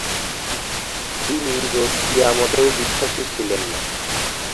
তিনি রোজ কেয়ামতেও বিশ্বাসী ছিলেন না।